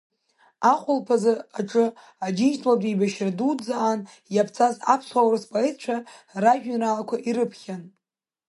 Ахәылԥаз аҿы Аџьынџьтәылатә еибашьра Дуӡӡа аан иаԥҵаз аԥсуа, аурыс поетцәа ражәеинраалақәа ирыԥхьан.